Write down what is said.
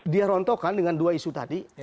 dia rontokkan dengan dua isu tadi